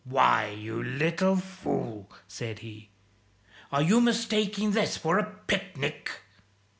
"Why, you little fool," said he, "are you mistaking this for a picnic?"